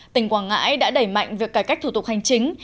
tỉnh quảng ngãi đã đẩy mạnh việc cải cách thủ tục hành chính